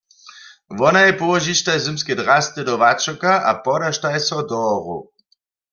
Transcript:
Wonaj połožištaj zymske drasty do wačoka a podaštaj so do horow.